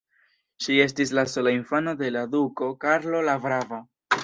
Ŝi estis la sola infano de la duko Karlo la brava.